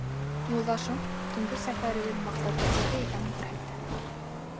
Юлдашым төнгө сәфәребеҙ маҡсаты ҡайҙа икәнен күрһәтте.